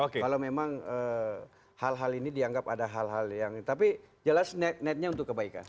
kalau memang hal hal ini dianggap ada hal hal yang tapi jelas netnya untuk kebaikan